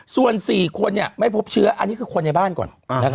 ส่วน๔คนไม่พบเชื้ออันนี้คือคนในบ้านก่อน